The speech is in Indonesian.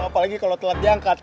apalagi kalo telat diangkat